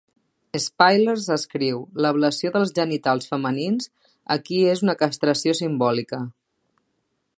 Spillers escriu, L"ablació dels genitals femenins aquí és una castració simbòlica.